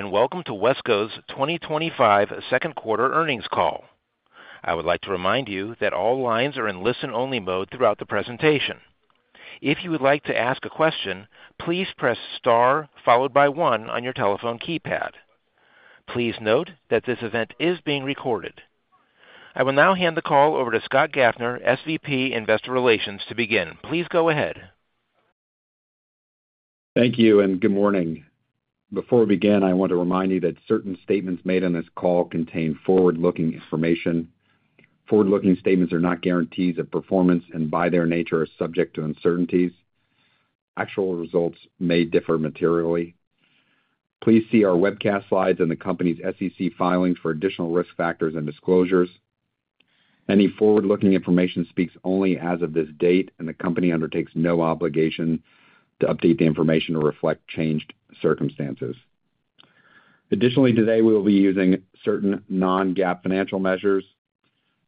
Hello, and welcome to Wesco's 2025 second quarter earnings call. I would like to remind you that all lines are in listen-only mode throughout the presentation. If you would like to ask a question, please press star followed by one on your telephone keypad. Please note that this event is being recorded. I will now hand the call over to Scott Gaffner, SVP, Investor Relations, to begin. Please go ahead. Thank you, and good morning. Before we begin, I want to remind you that certain statements made on this call contain forward-looking information. Forward-looking statements are not guarantees of performance and, by their nature, are subject to uncertainties. Actual results may differ materially. Please see our webcast slides and the company's SEC filings for additional risk factors and disclosures. Any forward-looking information speaks only as of this date, and the company undertakes no obligation to update the information to reflect changed circumstances. Additionally, today we will be using certain non-GAAP financial measures.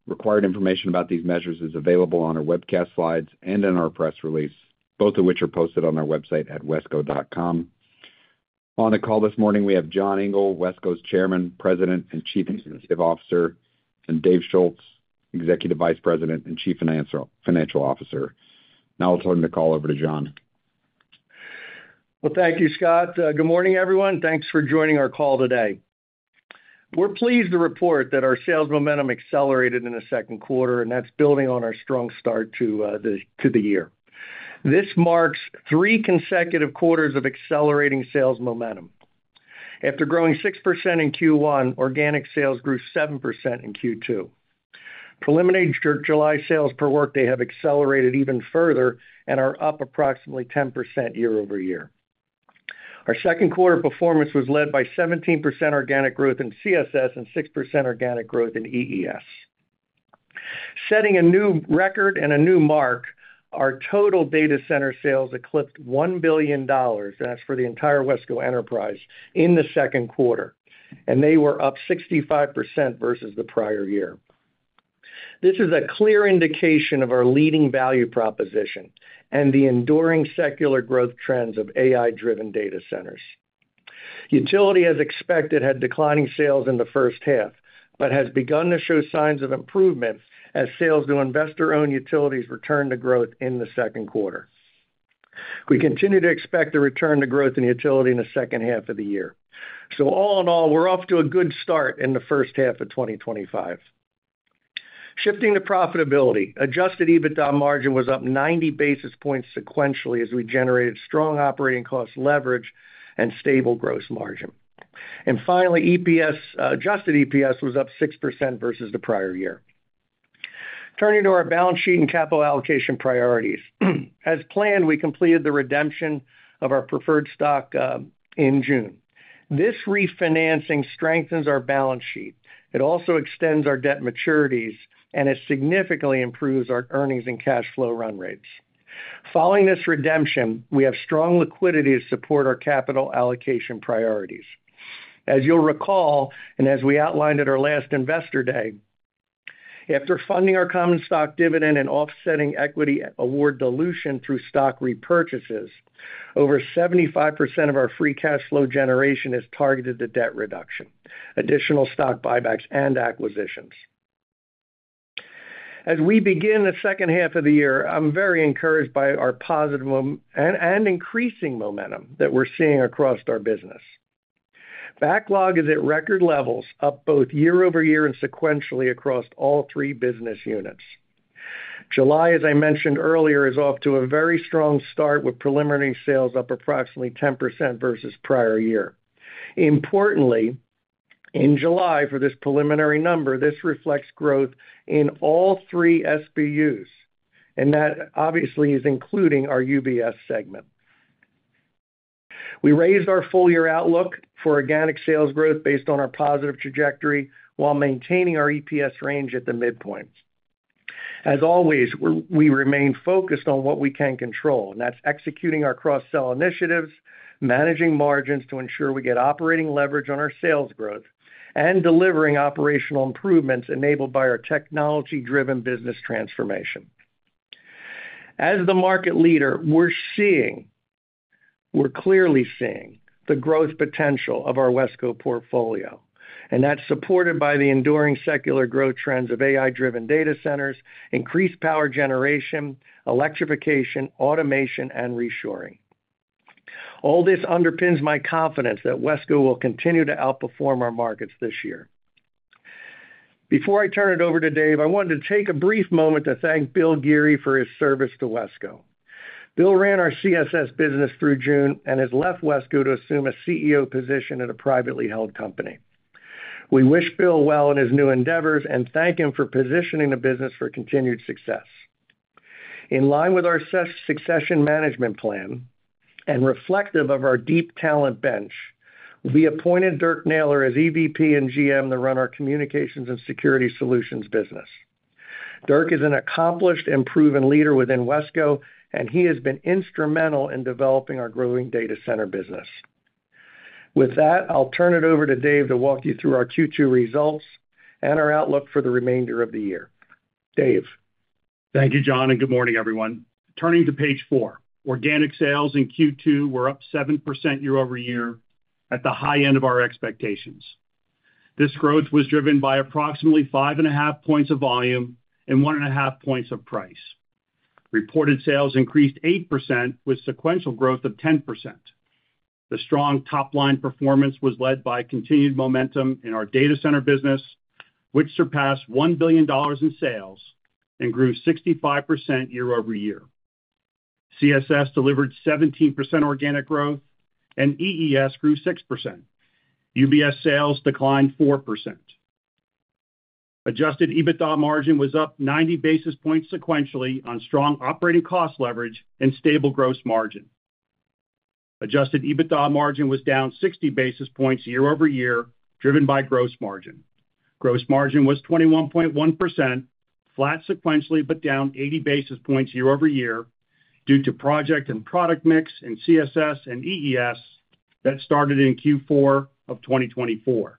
Required information about these measures is available on our webcast slides and in our press release, both of which are posted on our website at wesco.com. On the call this morning, we have John Engel, Wesco's Chairman, President and Chief Executive Officer, and Dave Schulz, Executive Vice President and Chief Financial Officer. Now I'll turn the call over to John. Thank you, Scott. Good morning, everyone. Thanks for joining our call today. We're pleased to report that our sales momentum accelerated in the second quarter, and that's building on our strong start to the year. This marks three consecutive quarters of accelerating sales momentum. After growing 6% in Q1, organic sales grew 7% in Q2. Preliminary July sales per workday have accelerated even further and are up approximately 10% year-over-year. Our second quarter performance was led by 17% organic growth in CSS and 6% organic growth in EES. Setting a new record and a new mark, our total data center sales eclipsed $1 billion for the entire Wesco enterprise in the second quarter, and they were up 65% versus the prior year. This is a clear indication of our leading value proposition and the enduring secular growth trends of AI-driven data centers. Utility, as expected, had declining sales in the first half but has begun to show signs of improvement as sales to investor-owned utilities returned to growth in the second quarter. We continue to expect a return to growth in utility in the second half of the year. All in all, we're off to a good start in the first half of 2025. Shifting to profitability, adjusted EBITDA margin was up 90 basis points sequentially as we generated strong operating cost leverage and stable gross margin. Finally, adjusted EPS was up 6% versus the prior year. Turning to our balance sheet and capital allocation priorities, as planned, we completed the redemption of our preferred stock in June. This refinancing strengthens our balance sheet. It also extends our debt maturities and it significantly improves our earnings and cash flow run rates. Following this redemption, we have strong liquidity to support our capital allocation priorities. As you'll recall, and as we outlined at our last investor day, after funding our common stock dividend and offsetting equity award dilution through stock repurchases, over 75% of our free cash flow generation is targeted to debt reduction, additional stock buybacks, and acquisitions. As we begin the second half of the year, I'm very encouraged by our positive and increasing momentum that we're seeing across our business. Backlog is at record levels, up both year-over-year and sequentially across all three business units. July, as I mentioned earlier, is off to a very strong start with preliminary sales up approximately 10% versus prior year. Importantly. In July for this preliminary number, this reflects growth in all three SBUs, and that obviously is including our UBS segment. We raised our full year outlook for organic sales growth based on our positive trajectory while maintaining our EPS range at the midpoint. As always, we remain focused on what we can control, and that's executing our cross-sell initiatives, managing margins to ensure we get operating leverage on our sales growth, and delivering operational improvements enabled by our technology-driven business transformation. As the market leader, we're seeing. We're clearly seeing the growth potential of our Wesco portfolio, and that's supported by the enduring secular growth trends of AI-driven data centers, increased power generation, electrification, automation, and reshoring. All this underpins my confidence that Wesco will continue to outperform our markets this year. Before I turn it over to Dave, I wanted to take a brief moment to thank Bill Geary for his service to Wesco. Bill ran our CSS business through June and has left Wesco to assume a CEO position at a privately held company. We wish Bill well in his new endeavors and thank him for positioning the business for continued success. In line with our succession management plan and reflective of our deep talent bench, we appointed Dirk Naylor as EVP and GM to run our Communications and Security Solutions business. Dirk is an accomplished and proven leader within Wesco, and he has been instrumental in developing our growing data center business. With that, I'll turn it over to Dave to walk you through our Q2 results and our outlook for the remainder of the year. Dave. Thank you, John, and good morning, everyone. Turning to page four, organic sales in Q2 were up 7% year-over-year at the high end of our expectations. This growth was driven by approximately 5.5 points of volume and 1.5 points of price. Reported sales increased 8% with sequential growth of 10%. The strong top-line performance was led by continued momentum in our data center business, which surpassed $1 billion in sales and grew 65% year-over-year. CSS delivered 17% organic growth, and EES grew 6%. UBS sales declined 4%. Adjusted EBITDA margin was up 90 basis points sequentially on strong operating cost leverage and stable gross margin. Adjusted EBITDA margin was down 60 basis points year-over-year, driven by gross margin. Gross margin was 21.1%, flat sequentially, but down 80 basis points year-over-year due to project and product mix in CSS and EES that started in Q4 of 2024.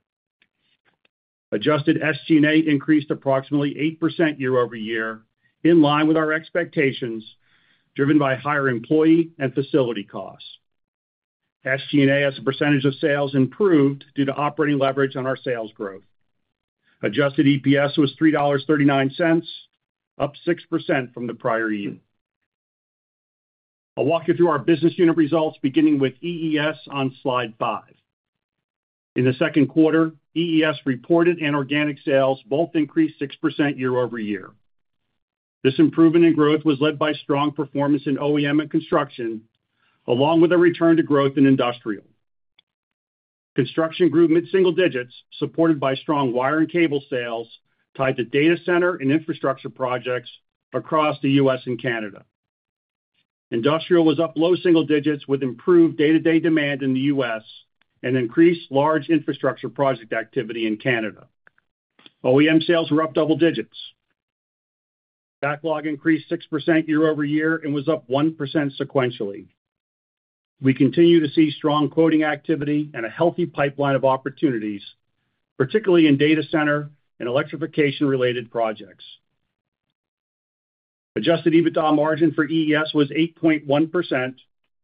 Adjusted SG&A increased approximately 8% year-over-year, in line with our expectations, driven by higher employee and facility costs. SG&A as a percentage of sales improved due to operating leverage on our sales growth. Adjusted EPS was $3.39, up 6% from the prior year. I'll walk you through our business unit results, beginning with EES on slide five. In the second quarter, EES reported and organic sales both increased 6% year-over-year. This improvement in growth was led by strong performance in OEM and construction, along with a return to growth in industrial. Construction grew mid-single digits, supported by strong wire and cable sales tied to data center and infrastructure projects across the U.S. and Canada. Industrial was up low single digits with improved day-to-day demand in the U.S. and increased large infrastructure project activity in Canada. OEM sales were up double digits. Backlog increased 6% year-over-year and was up 1% sequentially. We continue to see strong quoting activity and a healthy pipeline of opportunities, particularly in data center and electrification-related projects. Adjusted EBITDA margin for EES was 8.1%,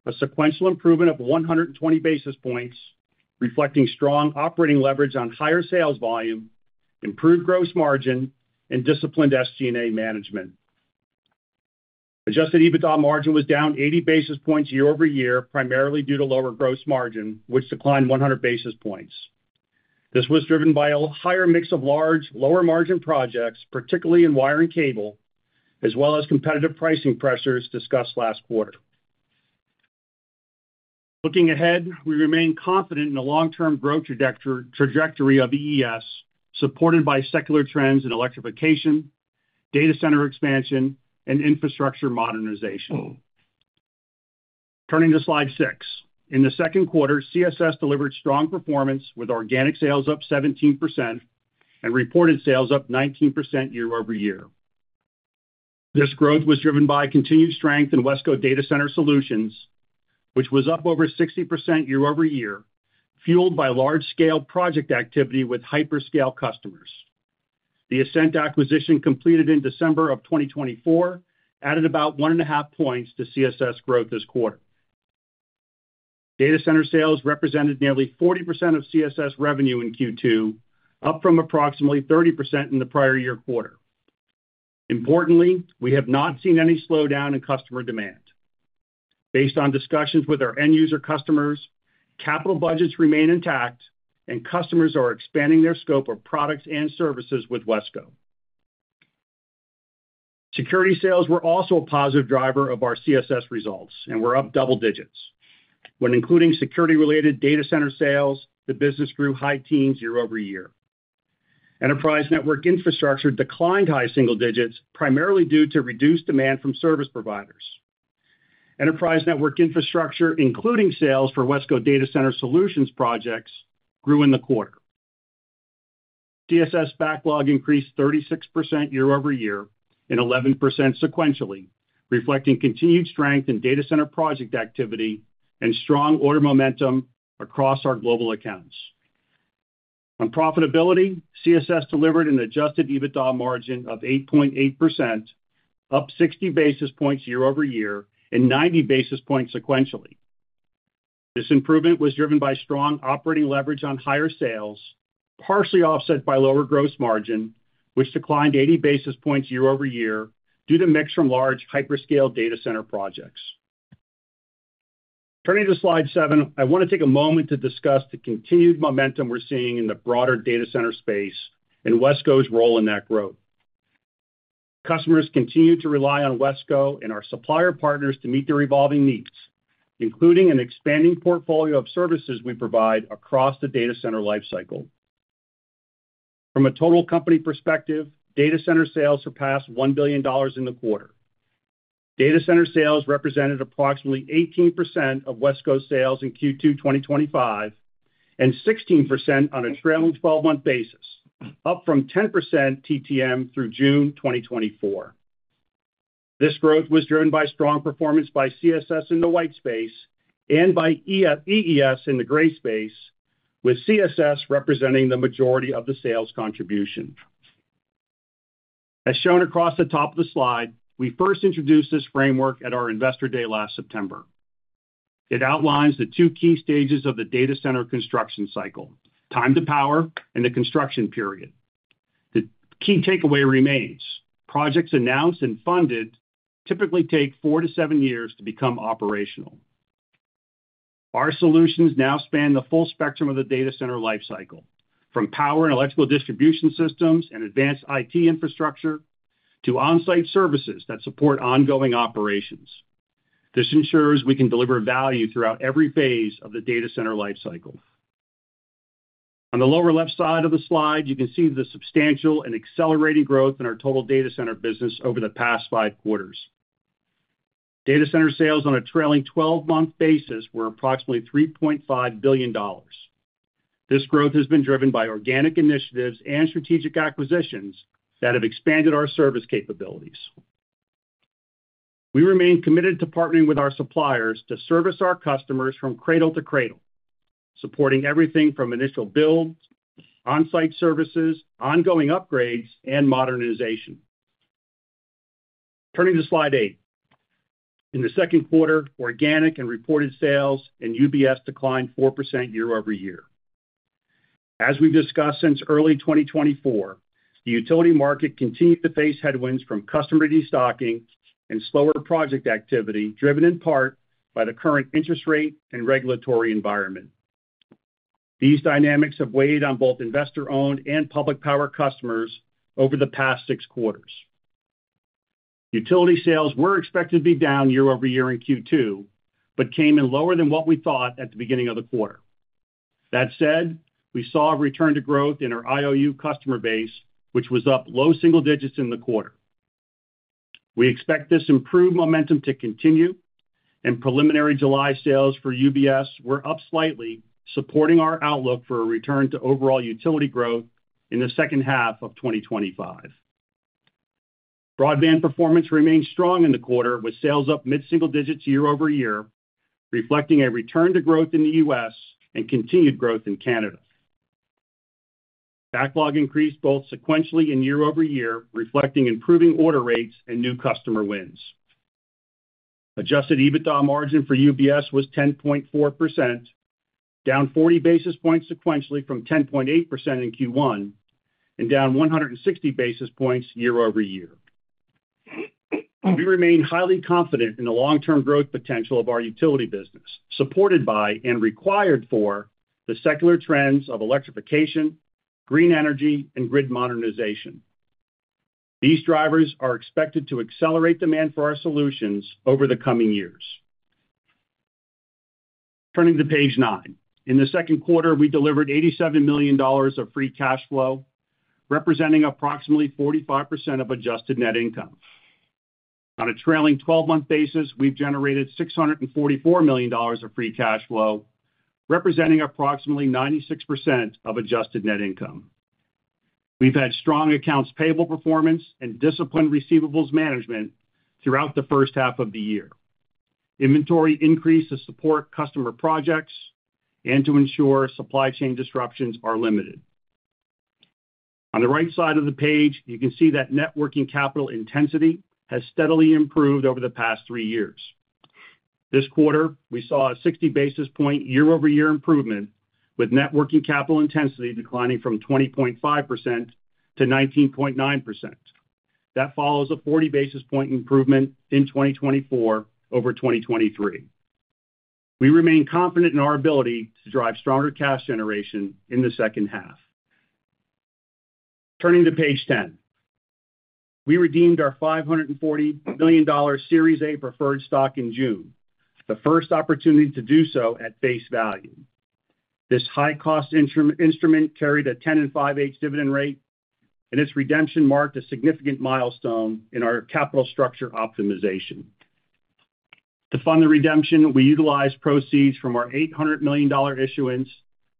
a sequential improvement of 120 basis points, reflecting strong operating leverage on higher sales volume, improved gross margin, and disciplined SG&A management. Adjusted EBITDA margin was down 80 basis points year-over-year, primarily due to lower gross margin, which declined 100 basis points. This was driven by a higher mix of large, lower margin projects, particularly in wire and cable, as well as competitive pricing pressures discussed last quarter. Looking ahead, we remain confident in the long-term growth trajectory of EES, supported by secular trends in electrification, data center expansion, and infrastructure modernization. Turning to slide six, in the second quarter, CSS delivered strong performance with organic sales up 17% and reported sales up 19% year-over-year. This growth was driven by continued strength in Wesco data center solutions, which was up over 60% year-over-year, fueled by large-scale project activity with hyperscale customers. The Ascent acquisition completed in December 2024 added about 1.5 points to CSS growth this quarter. Data center sales represented nearly 40% of CSS revenue in Q2, up from approximately 30% in the prior year quarter. Importantly, we have not seen any slowdown in customer demand. Based on discussions with our end-user customers, capital budgets remain intact, and customers are expanding their scope of products and services with Wesco. Security sales were also a positive driver of our CSS results, and were up double digits. When including security-related data center sales, the business grew high teens year-over-year. Enterprise network infrastructure declined high single digits, primarily due to reduced demand from service providers. Enterprise network infrastructure, including sales for Wesco data center solutions projects, grew in the quarter. CSS backlog increased 36% year-over-year and 11% sequentially, reflecting continued strength in data center project activity and strong order momentum across our global accounts. On profitability, CSS delivered an adjusted EBITDA margin of 8.8%, up 60 basis points year-over-year and 90 basis points sequentially. This improvement was driven by strong operating leverage on higher sales, partially offset by lower gross margin, which declined 80 basis points year-over-year due to mix from large hyperscale data center projects. Turning to slide seven, I want to take a moment to discuss the continued momentum we're seeing in the broader data center space and Wesco's role in that growth. Customers continue to rely on Wesco and our supplier partners to meet their evolving needs, including an expanding portfolio of services we provide across the data center lifecycle. From a total company perspective, data center sales surpassed $1 billion in the quarter. Data center sales represented approximately 18% of Wesco International sales in Q2 2025, and 16% on a trailing 12-month basis, up from 10% TTM through June 2024. This growth was driven by strong performance by CSS in the white space and by EES in the gray space, with CSS representing the majority of the sales contribution. As shown across the top of the slide, we first introduced this framework at our investor day last September. It outlines the two key stages of the data center construction cycle: time to power and the construction period. The key takeaway remains: projects announced and funded typically take four to seven years to become operational. Our solutions now span the full spectrum of the data center lifecycle, from power and electrical distribution systems and advanced IT infrastructure to on-site services that support ongoing operations. This ensures we can deliver value throughout every phase of the data center lifecycle. On the lower left side of the slide, you can see the substantial and accelerating growth in our total data center business over the past five quarters. Data center sales on a trailing 12-month basis were approximately $3.5 billion. This growth has been driven by organic initiatives and strategic acquisitions that have expanded our service capabilities. We remain committed to partnering with our suppliers to service our customers from cradle to cradle, supporting everything from initial builds, on-site services, ongoing upgrades, and modernization. Turning to slide eight. In the second quarter, organic and in UBS declined 4% year-over-year. As we've discussed since early 2024, the utility market continued to face headwinds from customer restocking and slower project activity, driven in part by the current interest rate and regulatory environment. These dynamics have weighed on both investor-owned and public-powered customers over the past six quarters. Utility sales were expected to be down year-over-year in Q2, but came in lower than what we thought at the beginning of the quarter. That said, we saw a return to growth in our IOU customer base, which was up low single digits in the quarter. We expect this improved momentum to continue, and preliminary July sales for UBS were up slightly, supporting our outlook for a return to overall utility growth in the second half of 2025. Broadband performance remained strong in the quarter, with sales up mid-single digits year-over-year, reflecting a return to growth in the U.S. and continued growth in Canada. Backlog increased both sequentially and year-over-year, reflecting improving order rates and new customer wins. Adjusted EBITDA margin for UBS was 10.4%, down 40 basis points sequentially from 10.8% in Q1 and down 160 basis points year-over-year. We remain highly confident in the long-term growth potential of our utility business, supported by and required for the secular trends of electrification, green energy, and grid modernization. These drivers are expected to accelerate demand for our solutions over the coming years. Turning to page nine, in the second quarter, we delivered $87 million of free cash flow, representing approximately 45% of adjusted net income. On a trailing 12-month basis, we've generated $644 million of free cash flow, representing approximately 96% of adjusted net income. We've had strong accounts payable performance and disciplined receivables management throughout the first half of the year. Inventory increased to support customer projects and to ensure supply chain disruptions are limited. On the right side of the page, you can see that networking capital intensity has steadily improved over the past three years. This quarter, we saw a 60 basis point year-over-year improvement, with networking capital intensity declining from 20.5% to 19.9%. That follows a 40 basis point improvement in 2024 over 2023. We remain confident in our ability to drive stronger cash generation in the second half. Turning to page 10. We redeemed our $540 million Series A preferred stock in June, the first opportunity to do so at face value. This high-cost instrument carried a 10.625% dividend rate, and its redemption marked a significant milestone in our capital structure optimization. To fund the redemption, we utilized proceeds from our $800 million issuance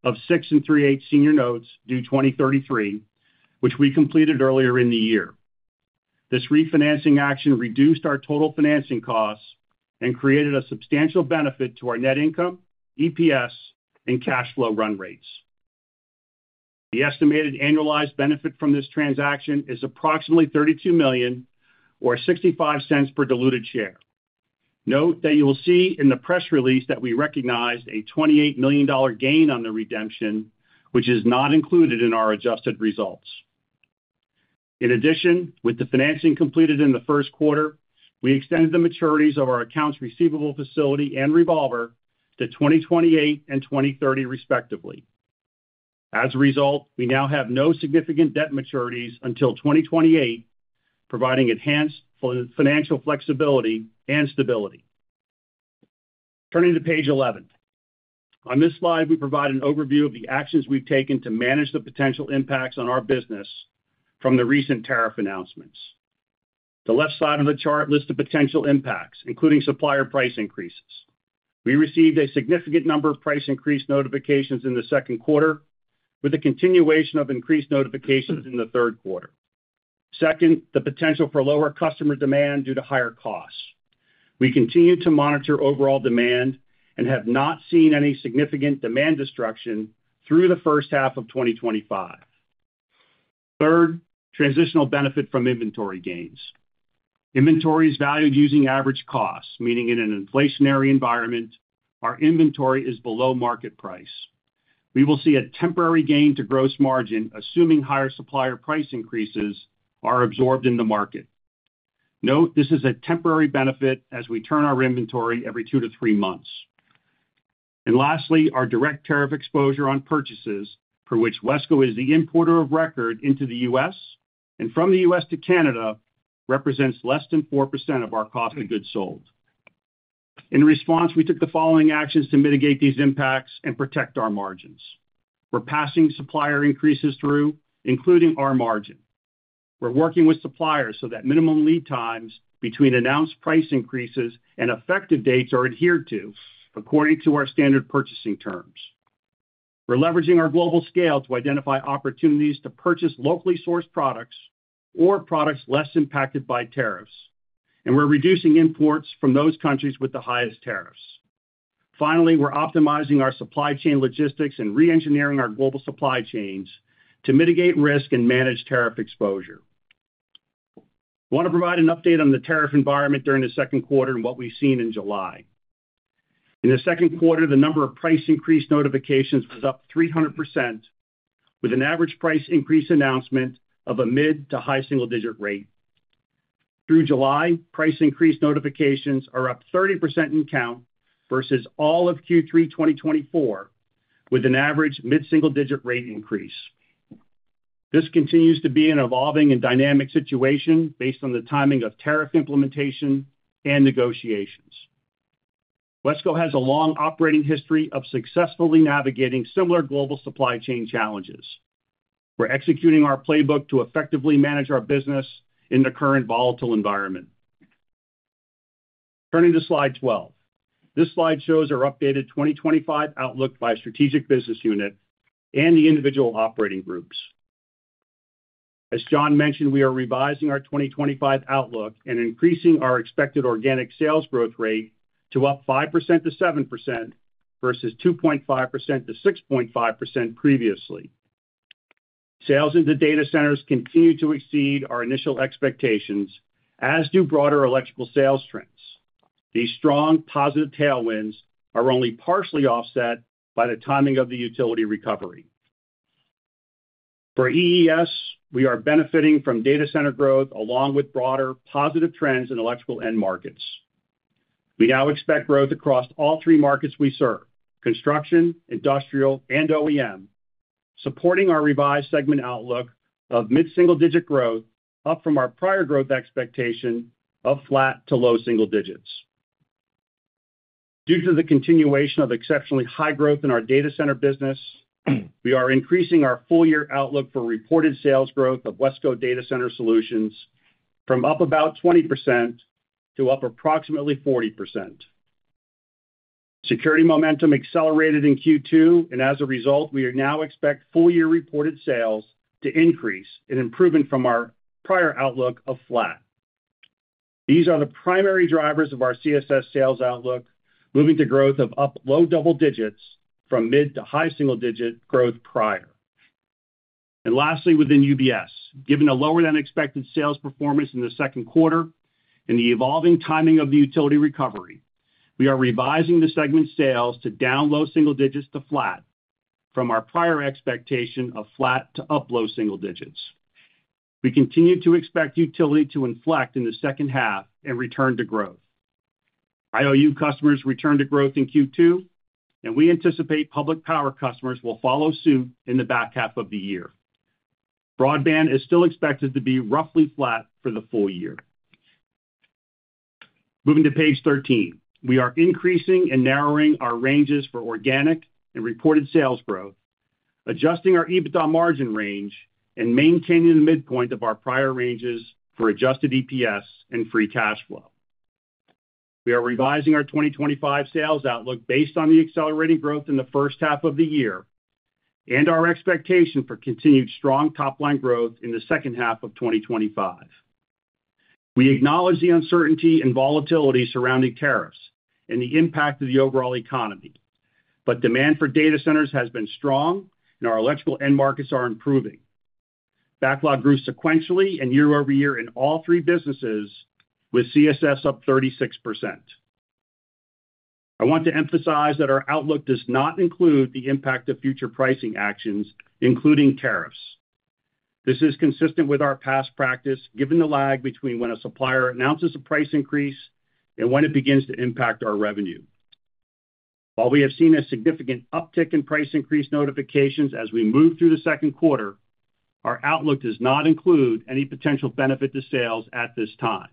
of 6.375% senior notes due 2033, which we completed earlier in the year. This refinancing action reduced our total financing costs and created a substantial benefit to our net income, EPS, and cash flow run rates. The estimated annualized benefit from this transaction is approximately $32 million, or $0.65 per diluted share. Note that you will see in the press release that we recognized a $28 million gain on the redemption, which is not included in our adjusted results. In addition, with the financing completed in the first quarter, we extended the maturities of our accounts receivable facility and revolver to 2028 and 2030, respectively. As a result, we now have no significant debt maturities until 2028, providing enhanced financial flexibility and stability. Turning to page 11. On this slide, we provide an overview of the actions we've taken to manage the potential impacts on our business from the recent tariff announcements. The left side of the chart lists the potential impacts, including supplier price increases. We received a significant number of price increase notifications in the second quarter, with a continuation of increased notifications in the third quarter. Second, the potential for lower customer demand due to higher costs. We continue to monitor overall demand and have not seen any significant demand destruction through the first half of 2025. Third, transitional benefit from inventory gains. Inventory is valued using average costs, meaning in an inflationary environment, our inventory is below market price. We will see a temporary gain to gross margin, assuming higher supplier price increases are absorbed in the market. Note, this is a temporary benefit as we turn our inventory every two to three months. Lastly, our direct tariff exposure on purchases, for which Wesco is the importer of record into the U.S. and from the U.S. to Canada, represents less than 4% of our cost of goods sold. In response, we took the following actions to mitigate these impacts and protect our margins. We're passing supplier increases through, including our margin. We're working with suppliers so that minimum lead times between announced price increases and effective dates are adhered to according to our standard purchasing terms. We're leveraging our global scale to identify opportunities to purchase locally sourced products or products less impacted by tariffs, and we're reducing imports from those countries with the highest tariffs. Finally, we're optimizing our supply chain logistics and re-engineering our global supply chains to mitigate risk and manage tariff exposure. I want to provide an update on the tariff environment during the second quarter and what we've seen in July. In the second quarter, the number of price increase notifications was up 300%, with an average price increase announcement of a mid to high-single digit rate. Through July, price increase notifications are up 30% in count versus all of Q3 2024, with an average mid-single digit rate increase. This continues to be an evolving and dynamic situation based on the timing of tariff implementation and negotiations. Wesco International has a long operating history of successfully navigating similar global supply chain challenges. We're executing our playbook to effectively manage our business in the current volatile environment. Turning to slide 12, this slide shows our updated 2025 outlook by strategic business unit and the individual operating groups. As John mentioned, we are revising our 2025 outlook and increasing our expected organic sales growth rate to up 5% to 7% versus 2.5% to 6.5% previously. Sales into data centers continue to exceed our initial expectations, as do broader electrical sales trends. These strong positive tailwinds are only partially offset by the timing of the utility recovery. For EES, we are benefiting from data center growth along with broader positive trends in electrical end markets. We now expect growth across all three markets we serve: construction, industrial, and OEM, supporting our revised segment outlook of mid-single digit growth up from our prior growth expectation of flat to low-single digits. Due to the continuation of exceptionally high growth in our data center business, we are increasing our full year outlook for reported sales growth of Wesco data center solutions from up about 20% to up approximately 40%. Security momentum accelerated in Q2, and as a result, we now expect full year reported sales to increase in improvement from our prior outlook of flat. These are the primary drivers of our CSS sales outlook moving to growth of up low-double digits from mid to high-single digit growth prior. Lastly, UBS, given a lower than expected sales performance in the second quarter and the evolving timing of the utility recovery, we are revising the segment sales to down low-single digits to flat from our prior expectation of flat to up low-single digits. We continue to expect utility to inflect in the second half and return to growth. IOU customers returned to growth in Q2, and we anticipate public power customers will follow suit in the back half of the year. Broadband is still expected to be roughly flat for the full year. Moving to page 13, we are increasing and narrowing our ranges for organic and reported sales growth, adjusting our EBITDA margin range, and maintaining the midpoint of our prior ranges for adjusted EPS and free cash flow. We are revising our 2025 sales outlook based on the accelerating growth in the first half of the year, and our expectation for continued strong top-line growth in the second half of 2025. We acknowledge the uncertainty and volatility surrounding tariffs and the impact of the overall economy, but demand for data centers has been strong, and our electrical end markets are improving. Backlog grew sequentially and year-over-year in all three businesses, with CSS up 36%. I want to emphasize that our outlook does not include the impact of future pricing actions, including tariffs. This is consistent with our past practice, given the lag between when a supplier announces a price increase and when it begins to impact our revenue. While we have seen a significant uptick in price increase notifications as we move through the second quarter, our outlook does not include any potential benefit to sales at this time.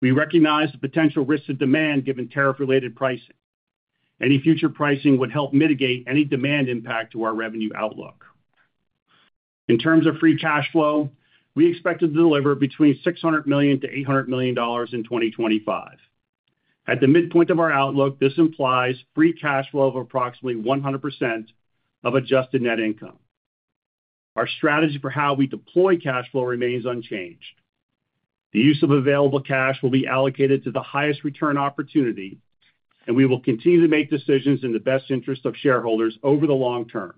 We recognize the potential risk to demand given tariff-related pricing. Any future pricing would help mitigate any demand impact to our revenue outlook. In terms of free cash flow, we expect to deliver between $600 million to $800 million in 2025. At the midpoint of our outlook, this implies free cash flow of approximately 100% of adjusted net income. Our strategy for how we deploy cash flow remains unchanged. The use of available cash will be allocated to the highest return opportunity, and we will continue to make decisions in the best interest of shareholders over the long term.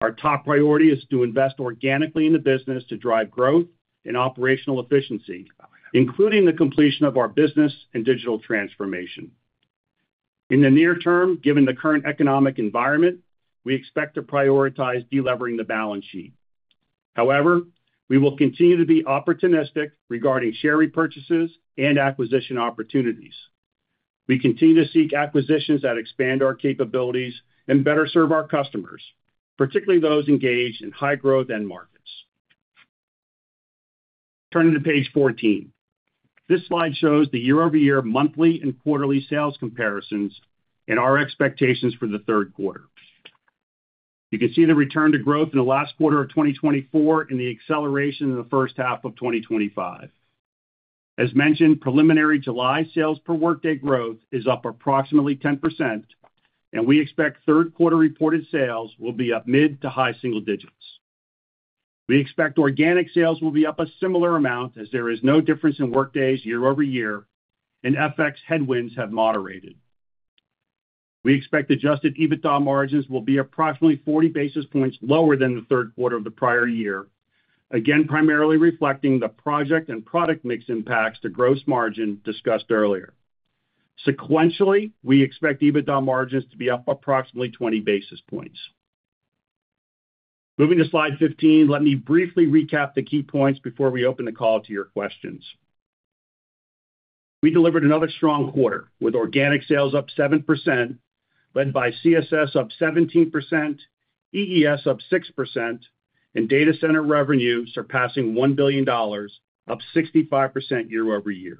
Our top priority is to invest organically in the business to drive growth and operational efficiency, including the completion of our business and digital transformation. In the near term, given the current economic environment, we expect to prioritize delivering the balance sheet. However, we will continue to be opportunistic regarding share repurchases and acquisition opportunities. We continue to seek acquisitions that expand our capabilities and better serve our customers, particularly those engaged in high-growth end markets. Turning to page 14, this slide shows the year-over-year monthly and quarterly sales comparisons and our expectations for the third quarter. You can see the return to growth in the last quarter of 2024 and the acceleration in the first half of 2025. As mentioned, preliminary July sales per workday growth is up approximately 10%, and we expect third-quarter reported sales will be up mid to high-single digits. We expect organic sales will be up a similar amount as there is no difference in workdays year-over-year, and FX headwinds have moderated. We expect adjusted EBITDA margins will be approximately 40 basis points lower than the third quarter of the prior year, again primarily reflecting the project and product mix impacts to gross margin discussed earlier. Sequentially, we expect EBITDA margins to be up approximately 20 basis points. Moving to slide 15, let me briefly recap the key points before we open the call to your questions. We delivered another strong quarter with organic sales up 7%, led by CSS up 17%, EES up 6%, and data center revenue surpassing $1 billion, up 65% year-over-year.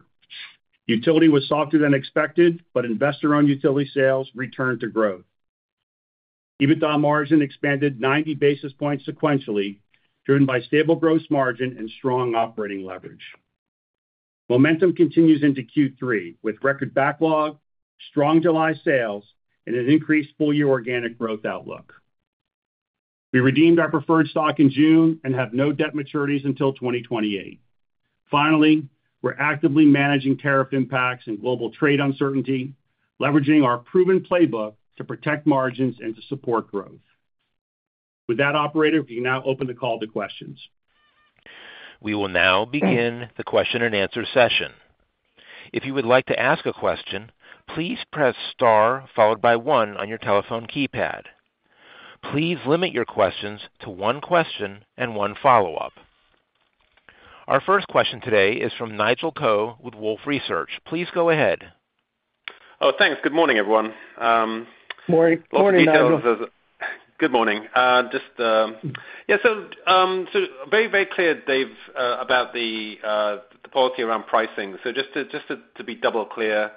Utility was softer than expected, but investor-owned utility sales returned to growth. EBITDA margin expanded 90 basis points sequentially, driven by stable gross margin and strong operating leverage. Momentum continues into Q3 with record backlog, strong July sales, and an increased full-year organic growth outlook. We redeemed our preferred stock in June and have no debt maturities until 2028. Finally, we're actively managing tariff impacts and global trade uncertainty, leveraging our proven playbook to protect margins and to support growth. With that, operator, we can now open the call to questions. We will now begin the question-and-answer session. If you would like to ask a question, please press star followed by one on your telephone keypad. Please limit your questions to one question and one follow-up. Our first question today is from Nigel Coe with Wolfe Research. Please go ahead. Oh, thanks. Good morning, everyone. Morning. Good morning, Nigel. Good morning. Just. Yeah. So. Very, very clear, Dave, about the policy around pricing. Just to be double clear,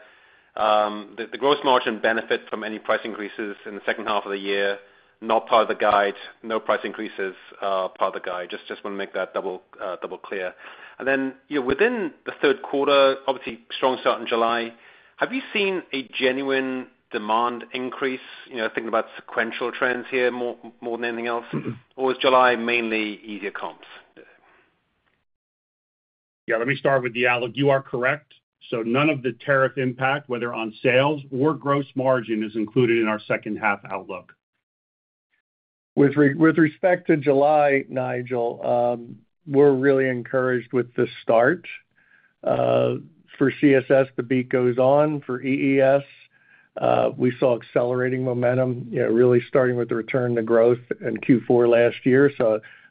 the gross margin benefit from any price increases in the second half of the year, not part of the guide. No price increases are part of the guide. Just want to make that double clear. Within the third quarter, obviously strong start in July, have you seen a genuine demand increase, thinking about sequential trends here more than anything else, or was July mainly easier comps? Yeah. Let me start with the outlook. You are correct. None of the tariff impact, whether on sales or gross margin, is included in our second-half outlook. With respect to July, Nigel, we're really encouraged with the start. For CSS, the beat goes on. For EES, we saw accelerating momentum, really starting with the return to growth in Q4 last year.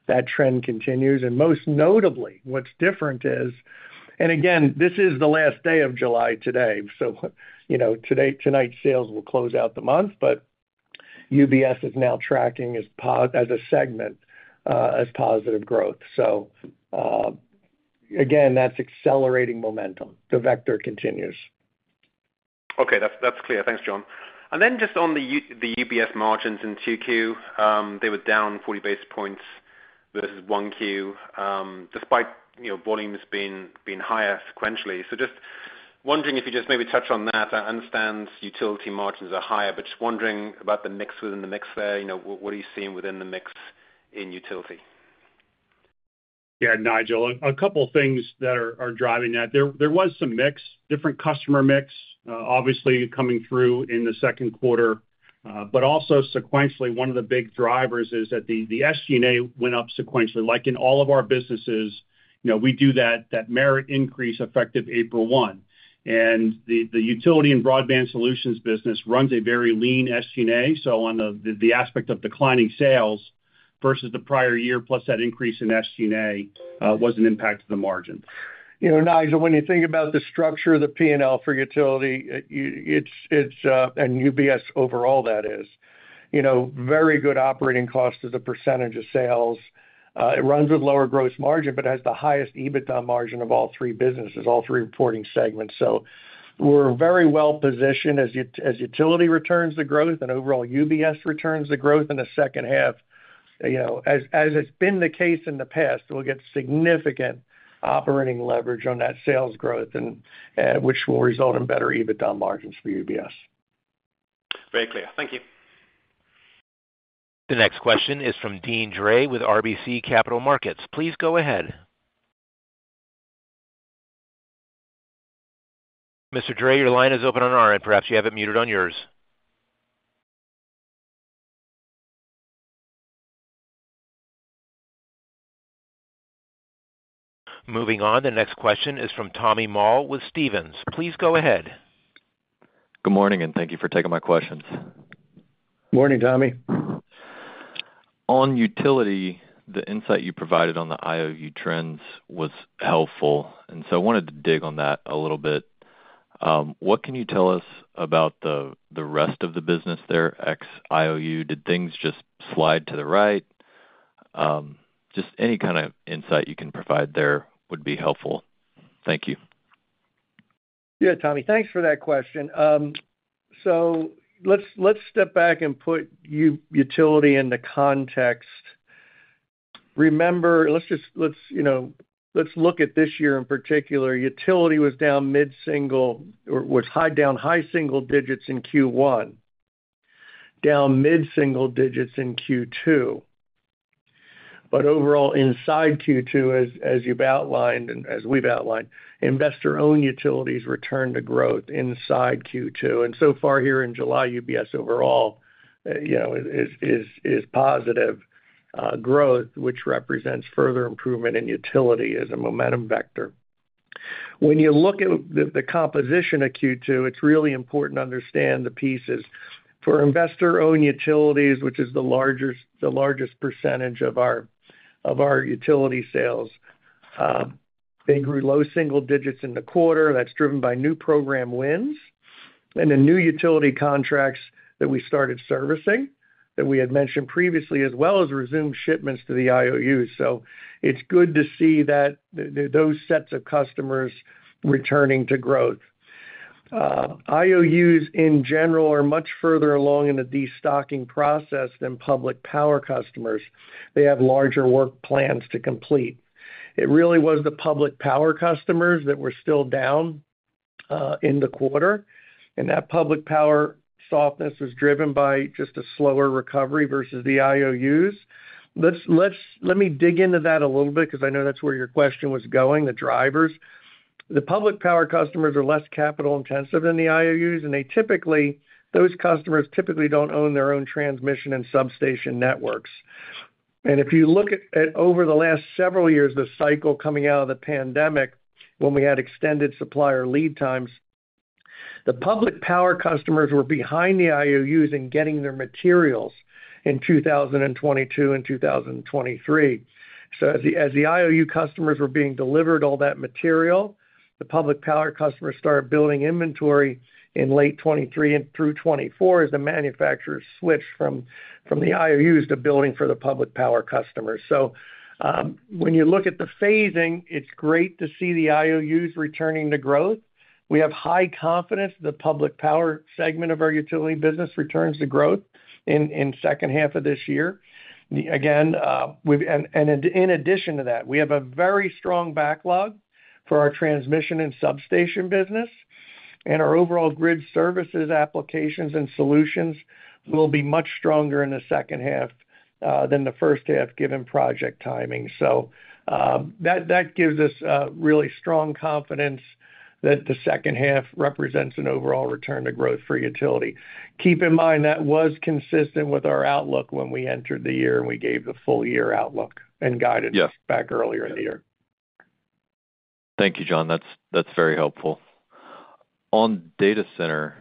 That trend continues. Most notably, what's different is, and again, this is the last day of July today. Tonight's sales will close out the month, but UBS is now tracking as a segment with positive growth. Again, that's accelerating momentum. The vector continues. That's clear. Thanks, John. Just on the UBS margins in Q2, they were down 40 basis points versus 1Q, despite volumes being higher sequentially. Just wondering if you could maybe touch on that. I understand utility margins are higher, but just wondering about the mix within the mix there. What are you seeing within the mix in utility? Yeah, Nigel, a couple of things are driving that. There was some mix, different customer mix, obviously coming through in the second quarter. Also sequentially, one of the big drivers is that the SG&A went up sequentially. Like in all of our businesses, we do that merit increase effective April 1. The UBS business runs a very lean SG&A. On the aspect of declining sales versus the prior year, plus that increase in SG&A was an impact to the margin. Nigel, when you think about the structure of the P&L for utility and UBS overall, that is very good operating cost as a percentage of sales. It runs with lower gross margin, but has the highest EBITDA margin of all three businesses, all three reporting segments. We're very well positioned as utility returns to growth and overall UBS returns to growth in the second half. As has been the case in the past, we'll get significant operating leverage on that sales growth, which will result in better EBITDA margins for UBS. Very clear. Thank you. The next question is from Deane Dray with RBC Capital Markets. Please go ahead. Mr. Dray, your line is open on our end. Perhaps you have it muted on yours. Moving on, the next question is from Tommy Moll with Stephens. Please go ahead. Good morning, and thank you for taking my questions. Morning, Tommy. On utility, the insight you provided on the IOU trends was helpful. I wanted to dig on that a little bit. What can you tell us about the rest of the business there, ex-IOU? Did things just slide to the right? Just any kind of insight you can provide there would be helpful. Thank you. Yeah, Tommy, thanks for that question. Let's step back and put utility in the context. Remember, let's look at this year in particular. Utility was down mid-single, was down high-single digits in Q1, down mid-single digits in Q2. Overall, inside Q2, as you've outlined and as we've outlined, investor-owned utilities returned to growth inside Q2. So far here in July, UBS overall is positive growth, which represents further improvement in utility as a momentum vector. When you look at the composition of Q2, it's really important to understand the pieces. For investor-owned utilities, which is the largest percentage of our utility sales, they grew low single digits in the quarter. That's driven by new program wins and the new utility contracts that we started servicing that we had mentioned previously, as well as resumed shipments to the IOUs. It's good to see those sets of customers returning to growth. IOUs, in general, are much further along in the destocking process than public power customers. They have larger work plans to complete. It really was the public power customers that were still down in the quarter, and that public power softness was driven by just a slower recovery versus the IOUs. Let me dig into that a little bit because I know that's where your question was going, the drivers. The public power customers are less capital-intensive than the IOUs, and those customers typically don't own their own transmission and substation networks. If you look at over the last several years, the cycle coming out of the pandemic, when we had extended supplier lead times, the public power customers were behind the IOUs in getting their materials in 2022 and 2023. As the IOU customers were being delivered all that material, the public power customers started building inventory in late 2023 and through 2024 as the manufacturers switched from the IOUs to building for the public power customers. When you look at the phasing, it's great to see the IOUs returning to growth. We have high confidence that the public power segment of our utility business returns to growth in the second half of this year. In addition to that, we have a very strong backlog for our transmission and substation business. Our overall grid services applications and solutions will be much stronger in the second half than the first half, given project timing. That gives us really strong confidence that the second half represents an overall return to growth for utility. Keep in mind that was consistent with our outlook when we entered the year and we gave the full-year outlook and guided us back earlier in the year. Thank you, John. That's very helpful. On data center,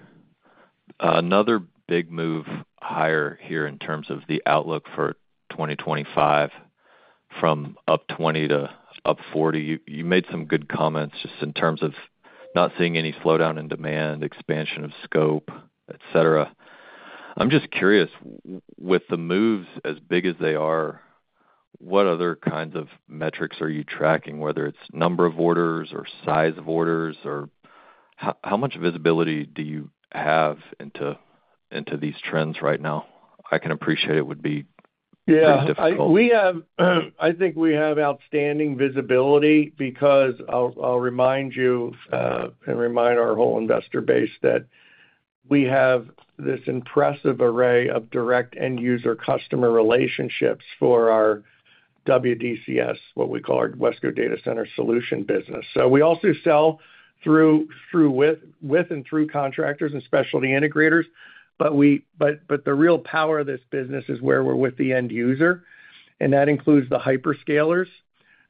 another big move higher here in terms of the outlook for 2025, from up 20% to up 40%. You made some good comments just in terms of not seeing any slowdown in demand, expansion of scope, etc. I'm just curious, with the moves as big as they are, what other kinds of metrics are you tracking, whether it's number of orders or size of orders, or how much visibility do you have into these trends right now? I can appreciate it would be pretty difficult. Yeah, I think we have outstanding visibility because I'll remind you, and remind our whole investor base, that we have this impressive array of direct end-user customer relationships for our WDCS, what we call our Wesco Data Center Solution business. We also sell with and through contractors and specialty integrators, but the real power of this business is where we're with the end user. That includes the hyperscalers,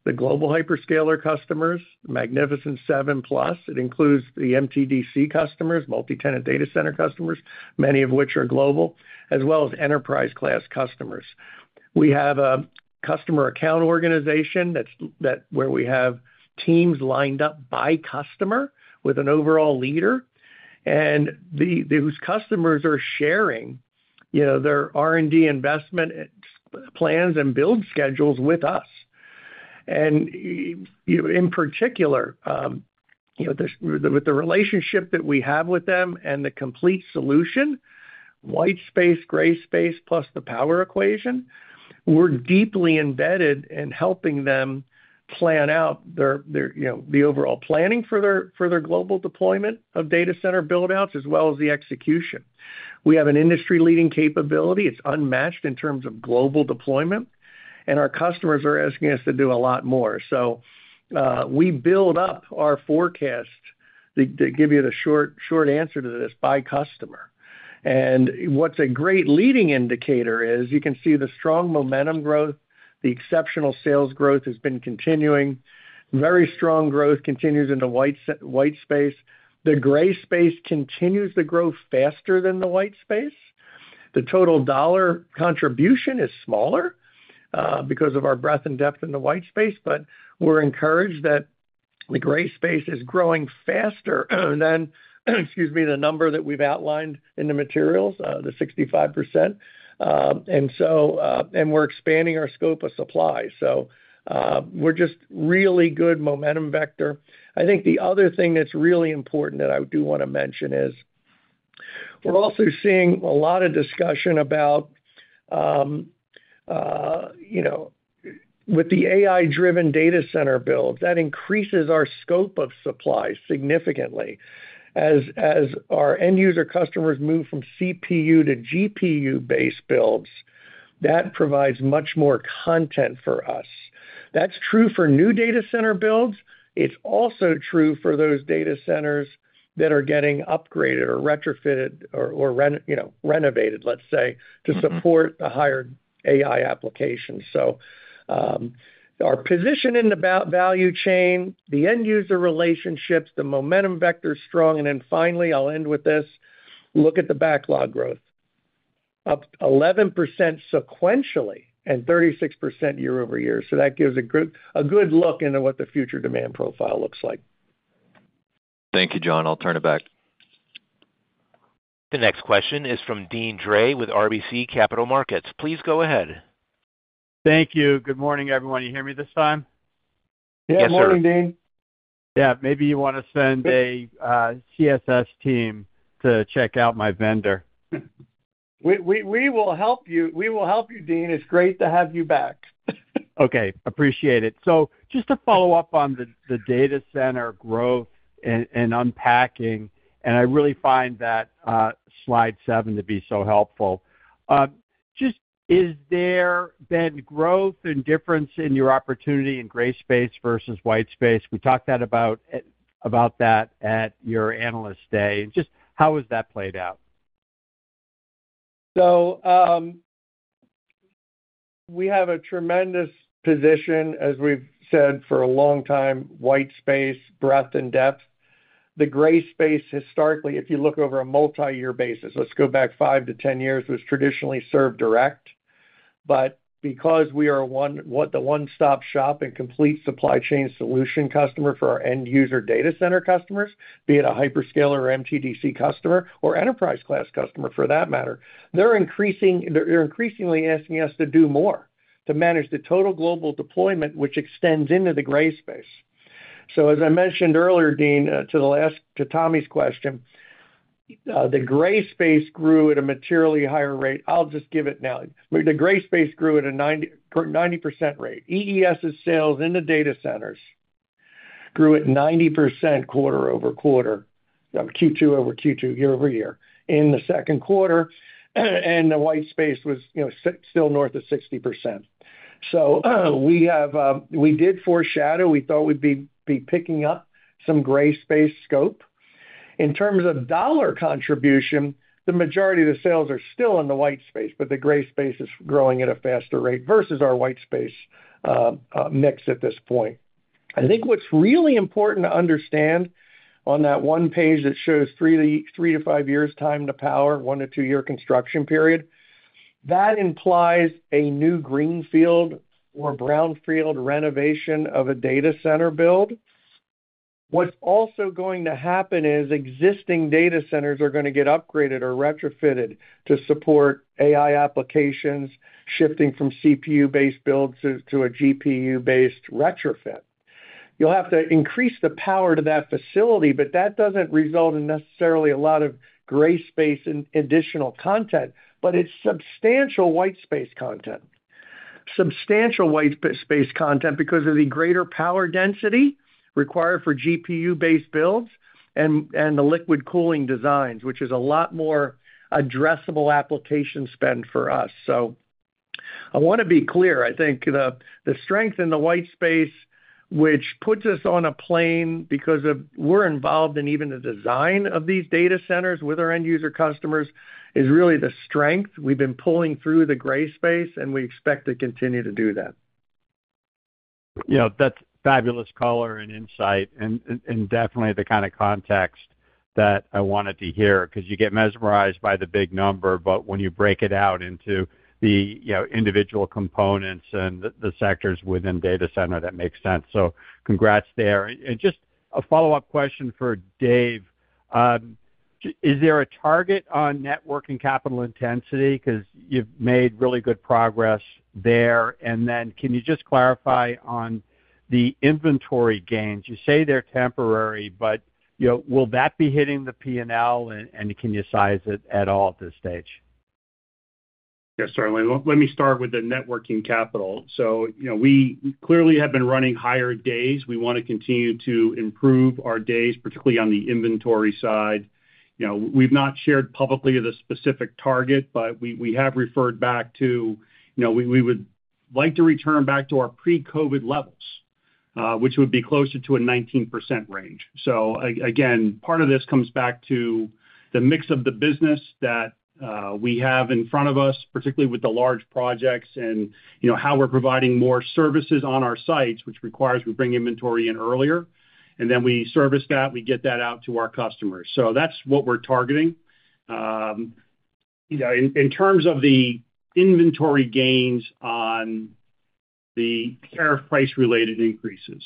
the global hyperscale customers, the Magnificent Seven plus. It includes the MTDC customers, multi-tenant data center customers, many of which are global, as well as enterprise-class customers. We have a customer account organization where we have teams lined up by customer with an overall leader, and whose customers are sharing their R&D investment plans and build schedules with us. In particular, with the relationship that we have with them and the complete solution, white space, gray space, plus the power equation, we're deeply embedded in helping them plan out the overall planning for their global deployment of data center buildouts, as well as the execution. We have an industry-leading capability. It's unmatched in terms of global deployment, and our customers are asking us to do a lot more. We build up our forecast, to give you the short answer to this, by customer. What's a great leading indicator is you can see the strong momentum growth. The exceptional sales growth has been continuing. Very strong growth continues in the white space. The gray space continues to grow faster than the white space. The total dollar contribution is smaller because of our breadth and depth in the white space. We're encouraged that the gray space is growing faster than the number that we've outlined in the materials, the 65%, and we're expanding our scope of supply. We're just really good momentum vector. I think the other thing that's really important that I do want to mention is we're also seeing a lot of discussion about, with the AI-driven data center build, that increases our scope of supply significantly. As our end user customers move from CPU to GPU-based builds, that provides much more content for us. That's true for new data center builds. It's also true for those data centers that are getting upgraded or retrofitted or renovated, let's say, to support the higher AI applications. Our position in the value chain, the end user relationships, the momentum vector is strong. Finally, I'll end with this. Look at the backlog growth, up 11% sequentially and 36% year-over-year. That gives a good look into what the future demand profile looks like. Thank you, John. I'll turn it back. The next question is from Deane Dray with RBC Capital Markets. Please go ahead. Thank you. Good morning, everyone. You hear me this time? Yes, sir. Good morning, Dean. Yeah. Maybe you want to send a CSS team to check out my vendor. We will help you. We will help you, Dean. It's great to have you back. Okay. Appreciate it. Just to follow up on the data center growth and unpacking, and I really find that slide seven to be so helpful. Has there been growth and difference in your opportunity in gray space versus white space? We talked about that at your analyst day. Just how has that played out? We have a tremendous position, as we've said for a long time, white space, breadth, and depth. The gray space, historically, if you look over a multi-year basis, let's go back 5 to 10 years, was traditionally served direct. Because we are the one-stop shop and complete supply chain solution customer for our end user data center customers, be it a hyperscaler or MTDC customer or enterprise-class customer for that matter, they're increasingly asking us to do more to manage the total global deployment, which extends into the gray space. As I mentioned earlier, Dean, to Tommy's question, the gray space grew at a materially higher rate. I'll just give it now. The gray space grew at a 90% rate. EES's sales in the data centers. Grew at 90% quarter-over-quarter, Q2 over Q2, year-over-year, in the second quarter. The white space was still north of 60%. We did foreshadow. We thought we'd be picking up some gray space scope. In terms of dollar contribution, the majority of the sales are still in the white space, but the gray space is growing at a faster rate versus our white space mix at this point. I think what's really important to understand, on that one page that shows three to five years' time to power, one to two-year construction period, that implies a new greenfield or brownfield renovation of a data center build. What's also going to happen is existing data centers are going to get upgraded or retrofitted to support AI applications, shifting from CPU-based builds to a GPU-based retrofit. You'll have to increase the power to that facility, but that doesn't result in necessarily a lot of gray space and additional content, but it's substantial white space content. Substantial white space content because of the greater power density required for GPU-based builds and the liquid cooling designs, which is a lot more addressable application spend for us. I want to be clear. I think the strength in the white space, which puts us on a plane because we're involved in even the design of these data centers with our end user customers, is really the strength. We've been pulling through the gray space, and we expect to continue to do that. That's fabulous color and insight and definitely the kind of context that I wanted to hear because you get mesmerized by the big number, but when you break it out into the individual components and the sectors within data center, that makes sense. Congrats there. Just a follow-up question for Dave. Is there a target on networking capital intensity? You've made really good progress there. Can you just clarify on the inventory gains? You say they're temporary, but will that be hitting the P&L, and can you size it at all at this stage? Yes, certainly. Let me start with the networking capital. We clearly have been running higher days. We want to continue to improve our days, particularly on the inventory side. We've not shared publicly the specific target, but we have referred back to we would like to return back to our pre-COVID levels, which would be closer to a 19% range. Part of this comes back to the mix of the business that we have in front of us, particularly with the large projects and how we're providing more services on our sites, which requires we bring inventory in earlier. We service that and get that out to our customers. That's what we're targeting. In terms of the inventory gains on the tariff price-related increases,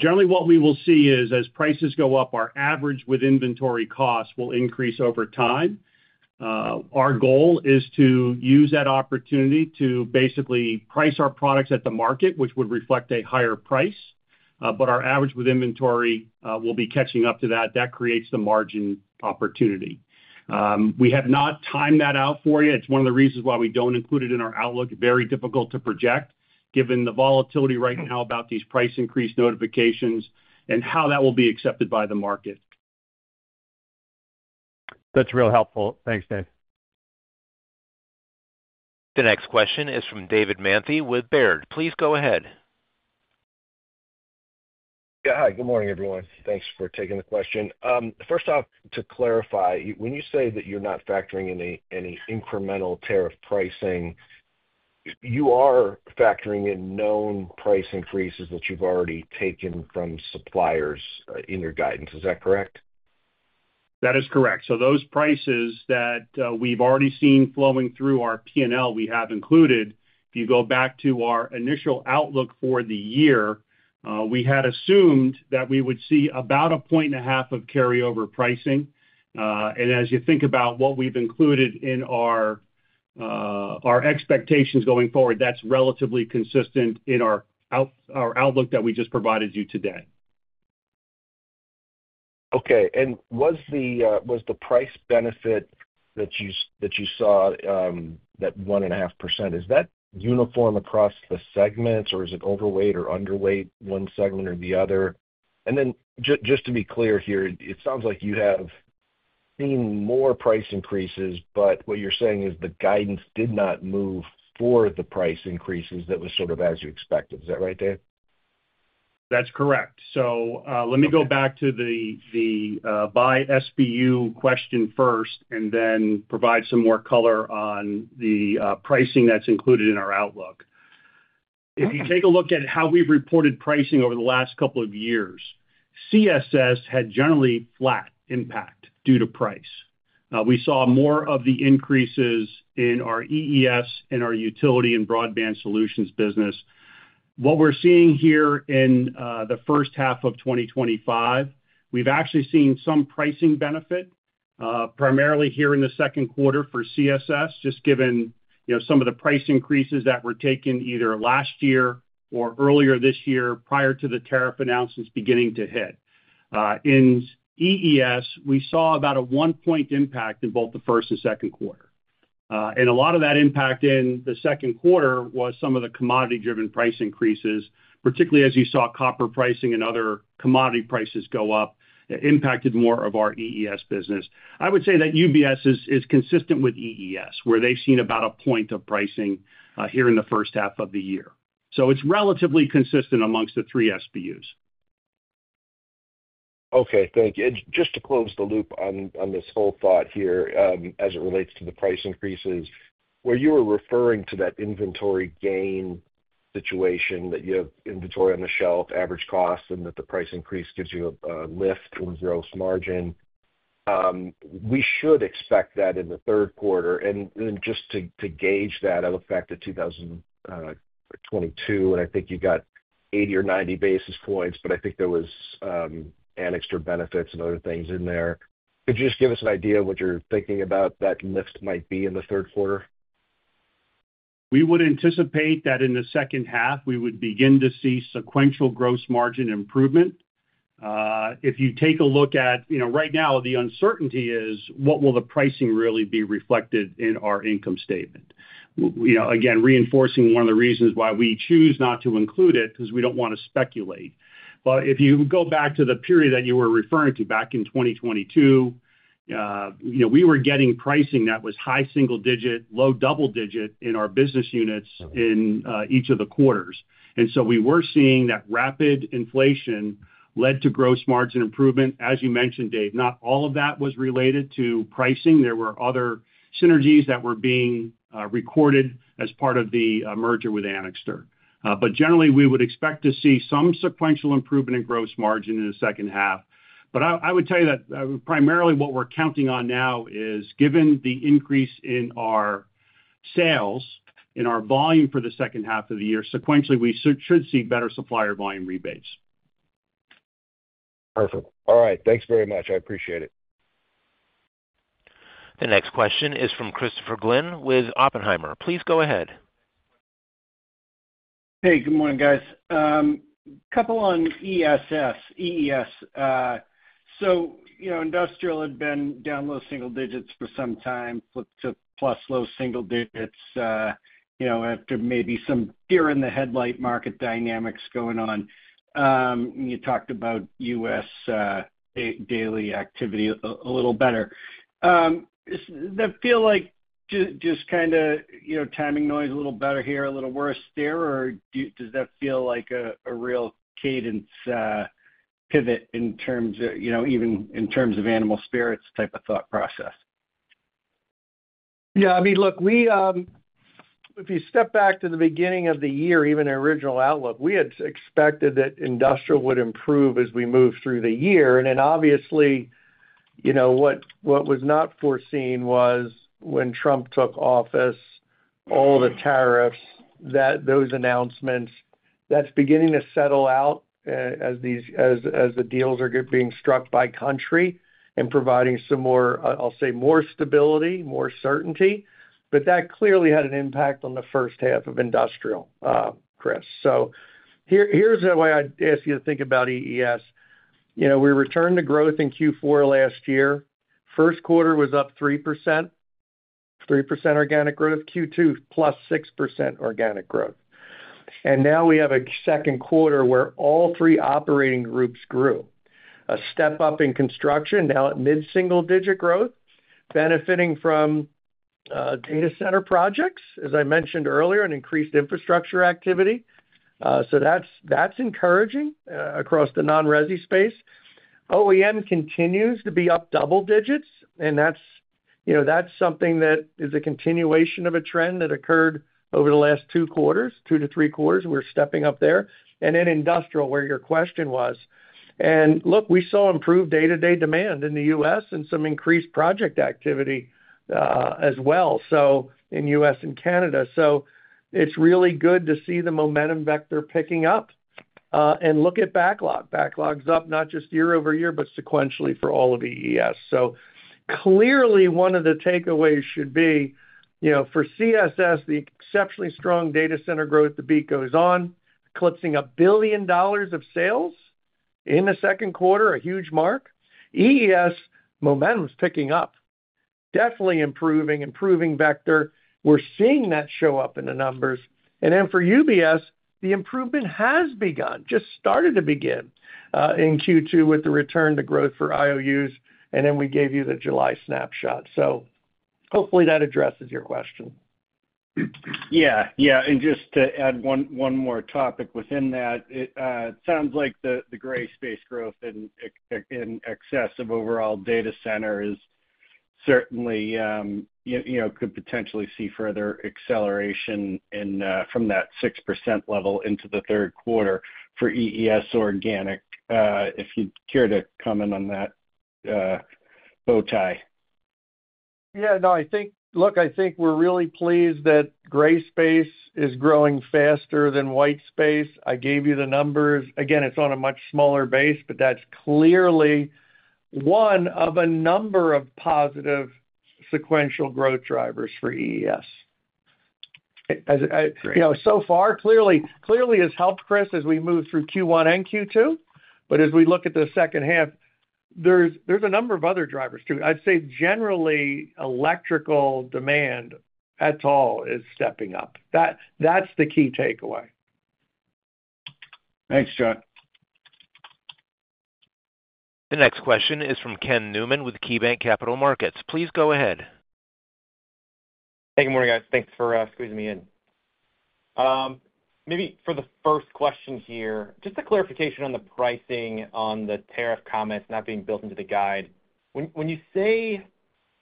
generally, what we will see is as prices go up, our average with inventory costs will increase over time. Our goal is to use that opportunity to basically price our products at the market, which would reflect a higher price, but our average with inventory will be catching up to that. That creates the margin opportunity. We have not timed that out for you. It's one of the reasons why we don't include it in our outlook. Very difficult to project, given the volatility right now about these price increase notifications and how that will be accepted by the market. That's real helpful. Thanks, Dave. The next question is from David Manthey with Baird. Please go ahead. Yeah. Hi. Good morning, everyone. Thanks for taking the question. First off, to clarify, when you say that you're not factoring in any incremental tariff pricing, you are factoring in known price increases that you've already taken from suppliers in your guidance. Is that correct? That is correct. Those prices that we've already seen flowing through our P&L, we have included. If you go back to our initial outlook for the year, we had assumed that we would see about a point and a half of carryover pricing. As you think about what we've included in our expectations going forward, that's relatively consistent in our outlook that we just provided you today. Okay. Was the price benefit that you saw, that 1.5%, is that uniform across the segments, or is it overweight or underweight one segment or the other? Just to be clear here, it sounds like you have seen more price increases, but what you're saying is the guidance did not move for the price increases. That was sort of as you expected. Is that right, Dave? That's correct. Let me go back to the by SBU question first and then provide some more color on the pricing that's included in our outlook. If you take a look at how we've reported pricing over the last couple of years, CSS had generally flat impact due to price. We saw more of the increases in our EES and our Utility and Broadband Solution business. What we're seeing here in the first half of 2025, we've actually seen some pricing benefit. Primarily here in the second quarter for CSS, just given some of the price increases that were taken either last year or earlier this year prior to the tariff announcements beginning to hit. In EES, we saw about a 1% impact in both the first and second quarter. A lot of that impact in the second quarter was some of the commodity-driven price increases, particularly as you saw copper pricing and other commodity prices go up, impacted more of our EES business. I would say that UBS is consistent with EES, where they've seen about a point of pricing here in the first half of the year. It's relatively consistent amongst the three SBUs. Okay. Thank you. Just to close the loop on this whole thought here as it relates to the price increases, where you were referring to that inventory gain situation, that you have inventory on the shelf, average cost, and that the price increase gives you a lift in gross margin, we should expect that in the third quarter. Just to gauge that, I look back to 2022, and I think you got 80 or 90 basis points, but I think there were Anixter benefits and other things in there. Could you just give us an idea of what you're thinking about that lift might be in the third quarter? We would anticipate that in the second half, we would begin to see sequential gross margin improvement. If you take a look at right now, the uncertainty is what will the pricing really be reflected in our income statement. Again, reinforcing one of the reasons why we choose not to include it because we don't want to speculate. If you go back to the period that you were referring to back in 2022, we were getting pricing that was high-single digit, low-double digit in our business units in each of the quarters. We were seeing that rapid inflation led to gross margin improvement. As you mentioned, Dave, not all of that was related to pricing. There were other synergies that were being recorded as part of the merger with Anixter. Generally, we would expect to see some sequential improvement in gross margin in the second half. I would tell you that primarily what we're counting on now is, given the increase in our sales and our volume for the second half of the year, sequentially, we should see better supplier volume rebates. Perfect. All right. Thanks very much. I appreciate it. The next question is from Christopher Glynn with Oppenheimer. Please go ahead. Hey, good morning, guys. Couple on EES. Industrial had been down low single digits for some time, flipped to plus low-single digits. After maybe some deer in the headlight market dynamics going on. You talked about U.S. daily activity a little better. Does that feel like just kind of timing noise, a little better here, a little worse there, or does that feel like a real cadence, pivot in terms of even in terms of animal spirits type of thought process? Yeah. I mean, look, if you step back to the beginning of the year, even our original outlook, we had expected that industrial would improve as we move through the year. What was not foreseen was when Trump took office, all the tariffs, those announcements, that's beginning to settle out as the deals are being struck by country and providing some more, I'll say, more stability, more certainty. That clearly had an impact on the first half of industrial, Chris. Here's the way I'd ask you to think about EES. We returned to growth in Q4 last year. First quarter was up 3%. 3% organic growth, Q2 plus 6% organic growth. Now we have a second quarter where all three operating groups grew. A step up in construction, now at mid-single digit growth, benefiting from data center projects, as I mentioned earlier, and increased infrastructure activity. That's encouraging across the non-resi space. OEM continues to be up double digits, and that's something that is a continuation of a trend that occurred over the last two quarters, two to three quarters. We're stepping up there. Industrial, where your question was, we saw improved day-to-day demand in the U.S. and some increased project activity as well in U.S. and Canada. It's really good to see the momentum vector picking up. Look at backlog. Backlog's up not just year-over-year, but sequentially for all of EES. Clearly, one of the takeaways should be for CSS, the exceptionally strong data center growth, the beat goes on, eclipsing $1 billion of sales in the second quarter, a huge mark. EES momentum is picking up, definitely improving, improving vector. We're seeing that show up in the numbers. For UBS, the improvement has begun, just started to begin in Q2 with the return to growth for IOUs. We gave you the July snapshot. Hopefully that addresses your question. Yeah. Yeah. Just to add one more topic within that, it sounds like the gray space growth in excess of overall data center is certainly, could potentially see further acceleration from that 6% level into the third quarter for EES organic, if you care to comment on that. Yeah, no, I think, look, I think we're really pleased that gray space is growing faster than white space. I gave you the numbers. Again, it's on a much smaller base, but that's clearly one of a number of positive sequential growth drivers for EES. It clearly has helped, Chris, as we move through Q1 and Q2. As we look at the second half, there's a number of other drivers too. I'd say generally electrical demand at all is stepping up. That's the key takeaway. Thanks, John. The next question is from Ken Newman with KeyBanc Capital Markets. Please go ahead. Hey, good morning, guys. Thanks for squeezing me in. Maybe for the first question here, just a clarification on the pricing on the tariff comments not being built into the guide. When you say,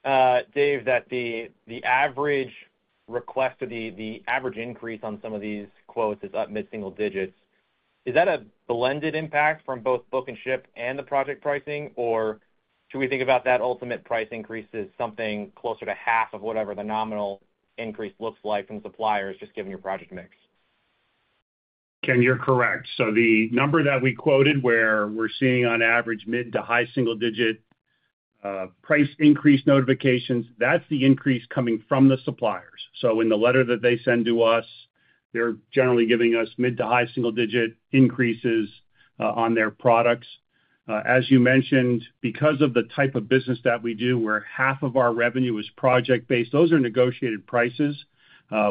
Dave, that the average request or the average increase on some of these quotes is up mid-single digits, is that a blended impact from both book and ship and the project pricing, or should we think about that ultimate price increase as something closer to half of whatever the nominal increase looks like from suppliers, just given your project mix? Ken, you're correct. The number that we quoted where we're seeing on average mid to high single-digit price increase notifications, that's the increase coming from the suppliers. In the letter that they send to us, they're generally giving us mid to high single-digit increases on their products. As you mentioned, because of the type of business that we do, where half of our revenue is project-based, those are negotiated prices,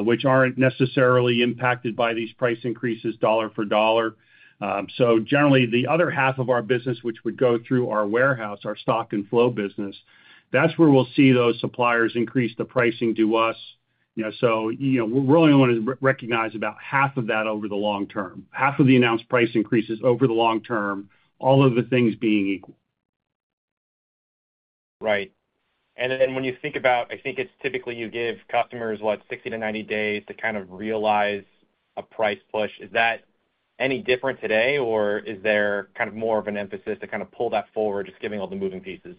which aren't necessarily impacted by these price increases dollar for dollar. Generally, the other half of our business, which would go through our warehouse, our stock and flow business, that's where we'll see those suppliers increase the pricing to us. We're only going to recognize about half of that over the long term, half of the announced price increases over the long term, all of the things being equal. Right. When you think about, I think it's typically you give customers what, 60 to 90 days to kind of realize a price push. Is that any different today, or is there kind of more of an emphasis to kind of pull that forward, just giving all the moving pieces?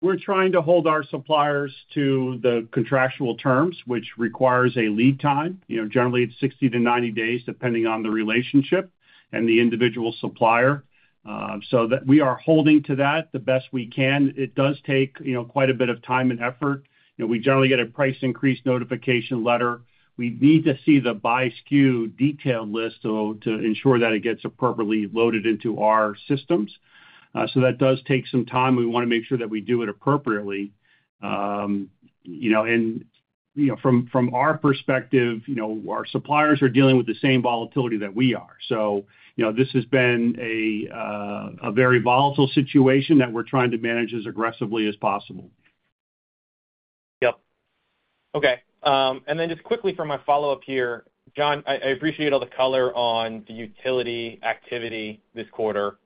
We're trying to hold our suppliers to the contractual terms, which requires a lead time. Generally, it's 60 to 90 days, depending on the relationship and the individual supplier. We are holding to that the best we can. It does take quite a bit of time and effort. We generally get a price increase notification letter. We need to see the buy SKU detailed list to ensure that it gets appropriately loaded into our systems. That does take some time. We want to make sure that we do it appropriately. From our perspective, our suppliers are dealing with the same volatility that we are. This has been a very volatile situation that we're trying to manage as aggressively as possible. Okay. And then just quickly for my follow-up here, John, I appreciate all the color on the utility activity this quarter.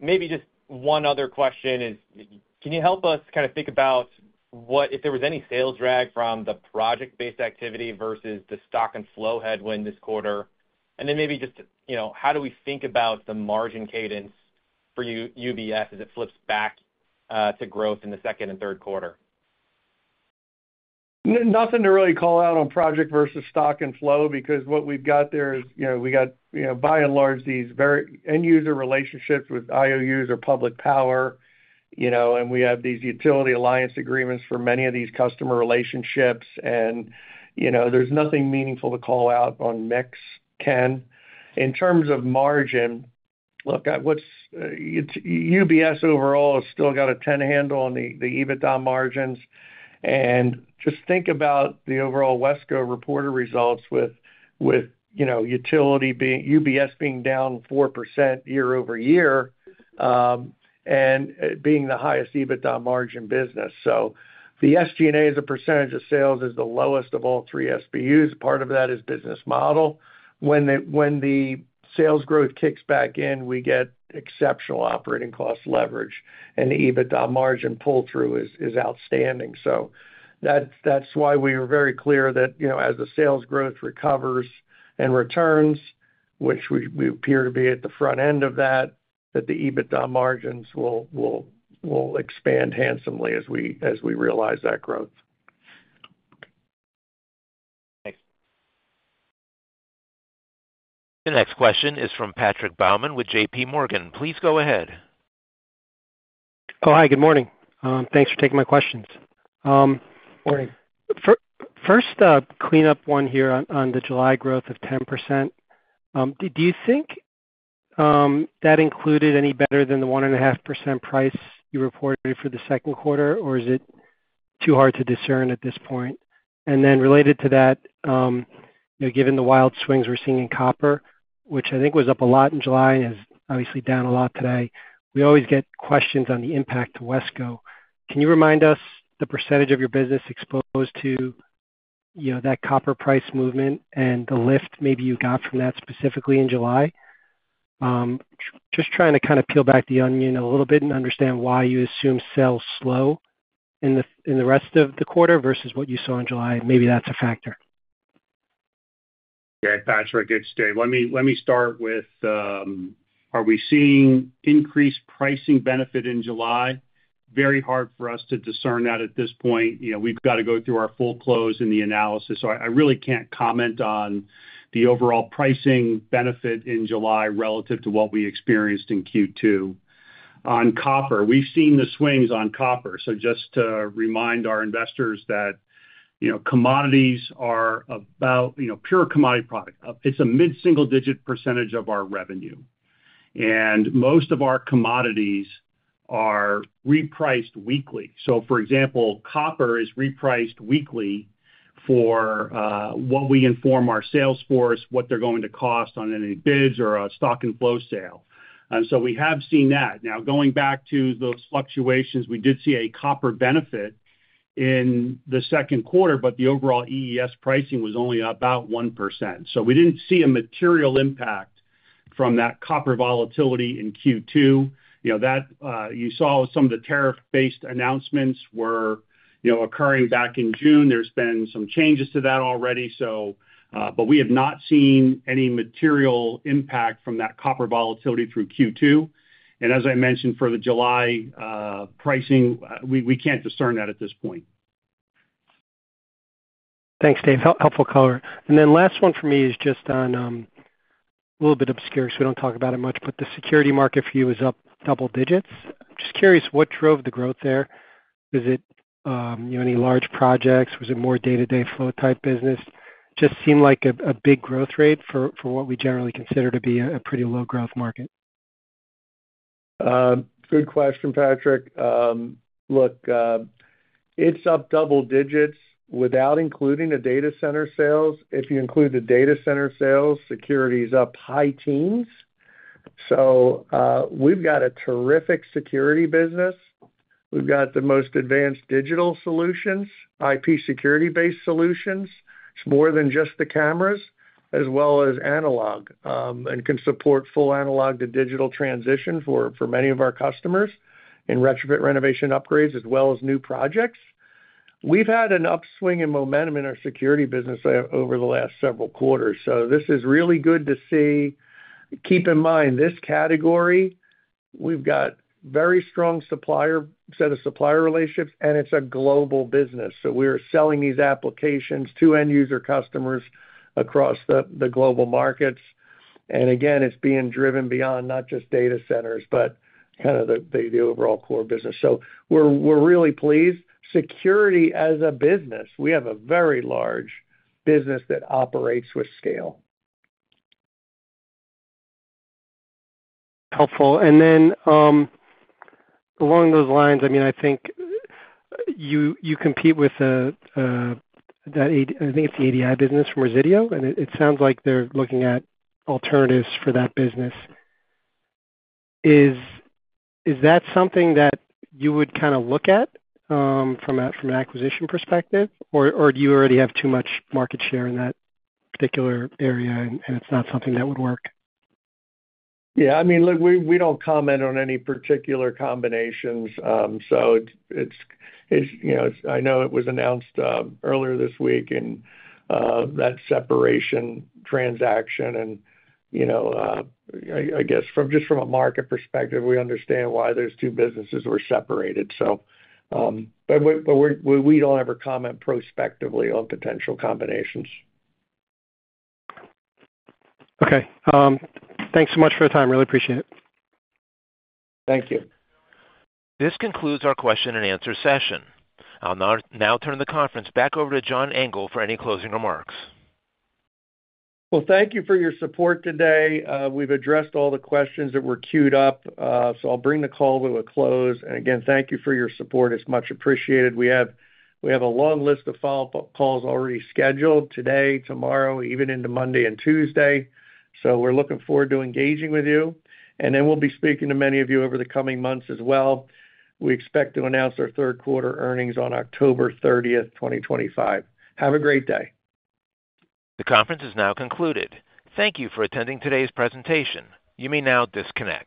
Maybe just one other question is, can you help us kind of think about if there was any sales drag from the project-based activity versus the stock and flow headwind this quarter? And then maybe just how do we think about the margin cadence for UBS as it flips back to growth in the second and third quarter? Nothing to really call out on project versus stock and flow because what we've got there is we got, by and large, these very end-user relationships with IOUs or public power. We have these utility alliance agreements for many of these customer relationships. There's nothing meaningful to call out on mix, Ken. In terms of margin, look, UBS overall has still got a 10 handle on the EBITDA margins. Just think about the overall Wesco reported results with Utility being UBS being down 4% year-over-year and being the highest EBITDA margin business. The SG&A as a percentage of sales is the lowest of all three SBUs. Part of that is business model. When the sales growth kicks back in, we get exceptional operating cost leverage, and the EBITDA margin pull-through is outstanding. That's why we were very clear that as the sales growth recovers and returns, which we appear to be at the front end of that, the EBITDA margins will expand handsomely as we realize that growth. Thanks. The next question is from Patrick Baumann with JPMorgan. Please go ahead. Oh, hi. Good morning. Thanks for taking my questions. Morning. First, clean up one here on the July growth of 10%. Do you think. That included any better than the 1.5% price you reported for the second quarter, or is it too hard to discern at this point? Related to that, given the wild swings we're seeing in copper, which I think was up a lot in July and is obviously down a lot today, we always get questions on the impact to Wesco. Can you remind us the percentage of your business exposed to that copper price movement and the lift maybe you got from that specifically in July? Just trying to kind of peel back the onion a little bit and understand why you assume sales slow in the rest of the quarter versus what you saw in July. Maybe that's a factor. Okay. That's a good state. Let me start with, are we seeing increased pricing benefit in July? Very hard for us to discern that at this point. We've got to go through our full close in the analysis, so I really can't comment on the overall pricing benefit in July relative to what we experienced in Q2. On copper, we've seen the swings on copper. Just to remind our investors, commodities are about pure commodity product. It's a mid-single digit percentage of our revenue, and most of our commodities are repriced weekly. For example, copper is repriced weekly for what we inform our sales force, what they're going to cost on any bids or a stock and flow sale. We have seen that. Now, going back to those fluctuations, we did see a copper benefit in the second quarter, but the overall EES pricing was only about 1%. We didn't see a material impact from that copper volatility in Q2. You saw some of the tariff-based announcements were occurring back in June. There have been some changes to that already, but we have not seen any material impact from that copper volatility through Q2. As I mentioned, for the July pricing, we can't discern that at this point. Thanks, Dave. Helpful color. Last one for me is just on, a little bit obscure because we don't talk about it much, but the security market for you is up double digits. Just curious, what drove the growth there? Was it any large projects? Was it more day-to-day flow type business? Just seemed like a big growth rate for what we generally consider to be a pretty low-growth market. Good question, Patrick. Look, it's up double digits without including the data center sales. If you include the data center sales, security is up high teens. We've got a terrific security business. We've got the most advanced digital solutions, IP security-based solutions. It's more than just the cameras, as well as analog, and can support full analog to digital transition for many of our customers in retrofit renovation upgrades, as well as new projects. We've had an upswing in momentum in our security business over the last several quarters. This is really good to see. Keep in mind, this category, we've got a very strong set of supplier relationships, and it's a global business. We are selling these applications to end-user customers across the global markets. Again, it's being driven beyond not just data centers, but kind of the overall core business. We're really pleased. Security as a business, we have a very large business that operates with scale. Helpful. Along those lines, I mean, I think you compete with, I think it's the ADI business from Resideo, and it sounds like they're looking at alternatives for that business. Is that something that you would kind of look at from an acquisition perspective, or do you already have too much market share in that particular area, and it's not something that would work? Yeah. I mean, look, we don't comment on any particular combinations. I know it was announced earlier this week in that separation transaction. I guess just from a market perspective, we understand why those two businesses were separated. We don't ever comment prospectively on potential combinations. Okay. Thanks so much for your time. Really appreciate it. Thank you. This concludes our question and answer session. I'll now turn the conference back over to John Engel for any closing remarks. Thank you for your support today. We've addressed all the questions that were queued up. I'll bring the call to a close. Thank you for your support. It's much appreciated. We have a long list of follow-up calls already scheduled today, tomorrow, even into Monday and Tuesday. We're looking forward to engaging with you. We'll be speaking to many of you over the coming months as well. We expect to announce our third quarter earnings on October 30, 2025. Have a great day. The conference is now concluded. Thank you for attending today's presentation. You may now disconnect.